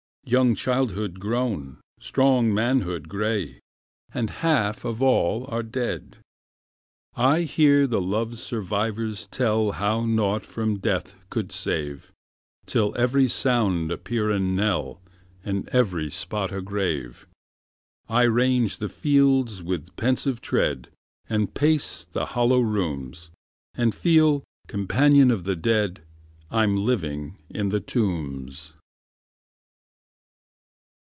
Young childhood grown, strong manhood gray; And half of all are dead. I hear the loved survivors tell How nought from death could save, Till every sound appear a knell And every spot a grave. I range the fields with pensive tread, And pace the hollow rooms, And feel (companion of the dead) I'm living in the tombs.